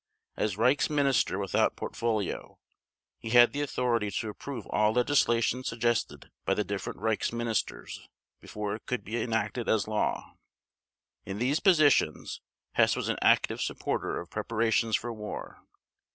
As Reichs Minister without Portfolio he had the authority to approve all legislation suggested by the different Reichs Ministers before it could be enacted as law. In these positions, Hess was an active supporter of preparations for war.